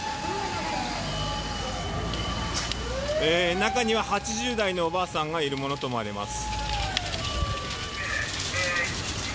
中には８０代のおばあさんがいるものと思われます。